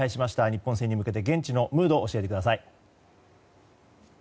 日本戦に向けて現地のムード教えてください。